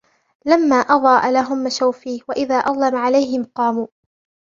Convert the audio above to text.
لَّمَا أَضَاءَ لَهُمْ مَشَوْا فِيهِ وَإِذَا أَظْلَمَ عَلَيْهِمْ قَامُوا